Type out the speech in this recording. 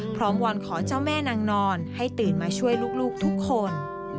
วอนขอเจ้าแม่นางนอนให้ตื่นมาช่วยลูกทุกคน